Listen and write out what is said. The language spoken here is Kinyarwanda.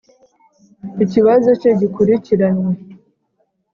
ikibazo cye gikurikiranwe.